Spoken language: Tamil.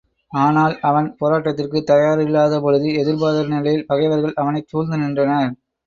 ஆனால் அவன் போராட்டத்திற்கு தயாராயில்லாதபொழுது, எதிர்பாராத நிலையில் பகைவர்கள் அவனைச் சூழ்ந்து நின்றனர்.